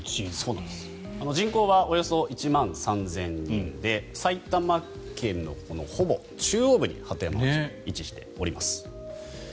人口はおよそ１万３０００人で埼玉県のほぼ中央部に鳩山町は位置しております。